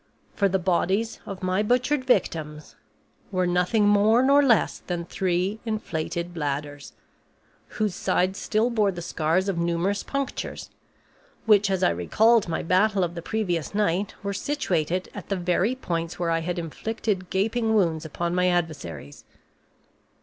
For the bodies of my butchered victims were nothing more nor less than three inflated bladders, whose sides still bore the scars of numerous punctures, which, as I recalled my battle of the previous night, were situated at the very points where I had inflicted gaping wounds upon my adversaries.